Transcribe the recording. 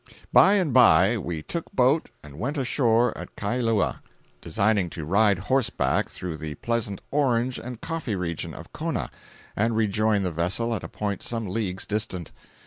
502.jpg (162K) By and by we took boat and went ashore at Kailua, designing to ride horseback through the pleasant orange and coffee region of Kona, and rejoin the vessel at a point some leagues distant.